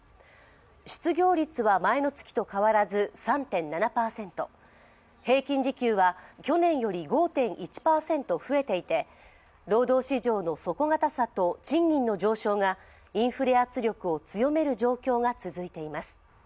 失業率は前の月と変わらず３．７％、平均時給は去年より５．１％増えていて、労働市場の底堅さと賃金の上昇がインフレ圧力を強める状況が続いています。